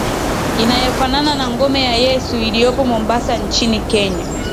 inayofanana na Ngome ya Yesu iliyopo Mombasa nchini Kenya